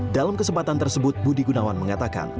dalam kesempatan tersebut budi gunawan mengatakan